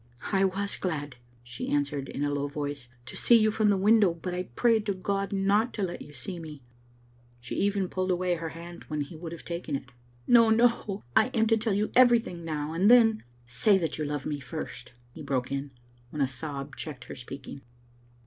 "I was glad," she answered in a Icrw voice, "to see you from the window, but I prayed to God not to let you see me." She even pulled away her hand when he would have Digitized by VjOOQ IC StotB ot tbe Bdsptfaiu 245 taken it. " No, no, I am to tell you everything now, and then " "Say that yon love me first," he broke in, when a sob checked her speaking.